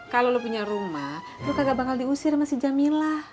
kalau lo punya rumah lo kagak bakal diusir sama si jamilah